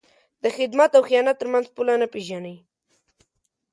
د خدمت او خیانت تر منځ پوله نه پېژني.